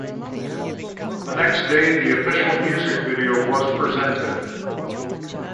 The next day the official music video was presented.